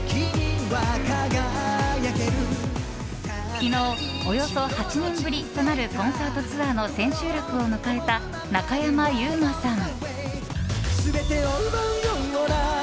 昨日、およそ８年ぶりとなるコンサートツアーの千秋楽を迎えた中山優馬さん。